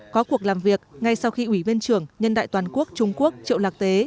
có cuộc làm việc ngay sau khi ủy viên trưởng nhân đại toàn quốc trung quốc triệu lạc tế